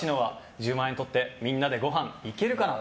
１０万円とってみんなでごはん行けるかな。